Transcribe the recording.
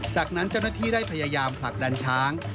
จากนั้นเจ้าหน้าที่ได้พยายามผลักดันช้าง